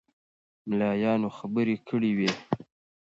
ملایانو خبرې کړې وې.